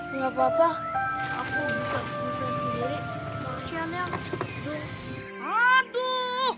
hah nggak papa aku bisa sendiri